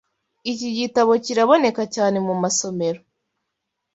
Iki gitabo kiraboneka cyane mumasomero.